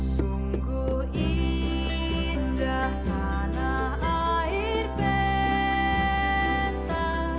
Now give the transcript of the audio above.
sungguh indah tanah air peta